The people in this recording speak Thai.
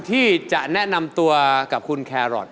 ที่จะแนะนำตัวกับคุณแครอท